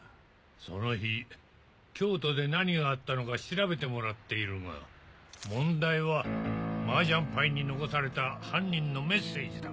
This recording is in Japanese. その日京都で何があったのか調べてもらっているが問題はマージャンパイに残された犯人のメッセージだ。